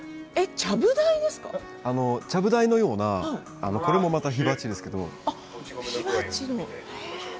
ちゃぶ台のようなこれもまた火鉢ですけれど。